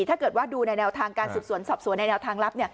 ถ้าเกิดว่าดูในแนวทางการสืบสวนสอบสวนในแนวทางลับ